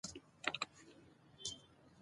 چې دا يې له ټولنيز فعاليت او پرمختګه راګرځولې ده.